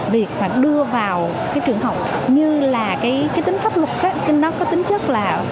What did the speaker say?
việc đưa vào trường học như là cái tính pháp luật nó có tính chất là